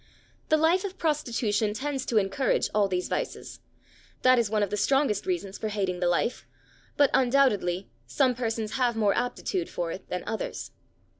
The life of prostitution tends to encourage all these vices; that is one of the strongest reasons for hating the life; but, undoubtedly, some persons have more aptitude for it than others.